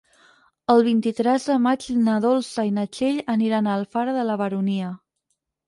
El vint-i-tres de maig na Dolça i na Txell aniran a Alfara de la Baronia.